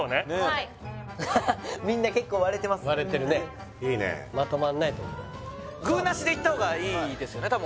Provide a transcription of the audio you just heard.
はいみんな割れてるねまとまんないと思う具なしでいった方がいいですよね